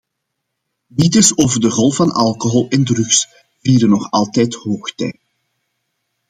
Mythes over de rol van alcohol en drugs vieren nog altijd hoogtij.